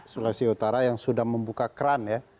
sulawesi utara yang sudah membuka keran ya